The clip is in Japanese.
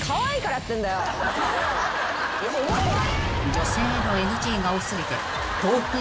［女性へのＮＧが多過ぎて］